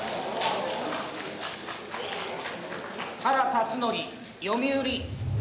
・原辰徳読売。